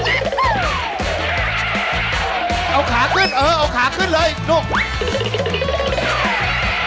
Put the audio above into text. เอาขาขึ้นเออเอาขาขึ้นเลยลูก